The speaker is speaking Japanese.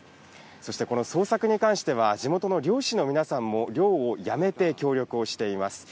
そしてこの捜索に関しては地元の漁師の皆さんも漁をやめて協力しています。